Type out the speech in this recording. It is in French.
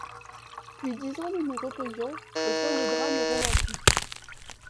Puis dix ans nous nous reposions Au sein des drames romantiques.